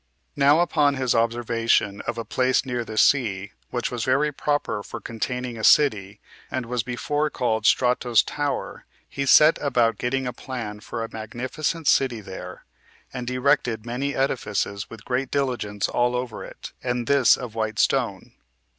6. Now upon his observation of a place near the sea, which was very proper for containing a city, and was before called Strato's Tower, he set about getting a plan for a magnificent city there, and erected many edifices with great diligence all over it, and this of white stone.